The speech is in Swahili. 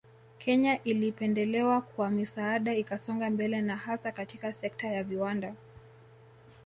Kenya ilipendelewa kwa misaada ikasonga mbele na hasa katika sekta ya viwanda